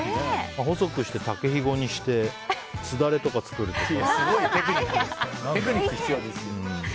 細くして竹ひごにしてすだれとか作るとか。